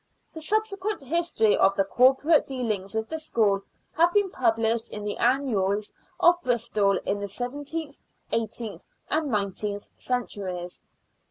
The subsequent history of the Corporate dealings with the school have been published in the Annals of Bristol in the seventeenth, eighteenth, and nineteenth centuries.